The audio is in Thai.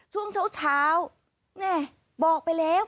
ช่วงเช้าแม่บอกไปแล้ว